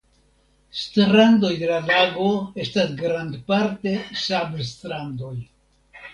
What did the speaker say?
Strandoj de la lago estas grandparte sablstrandoj.